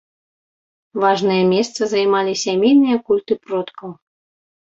Важнае месца займалі сямейныя культы продкаў.